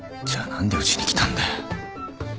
じゃあ何でうちに来たんだよ。